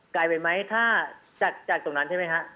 ไกลไปไหมถ้าจากตรงนั้นใช่ไหมคะ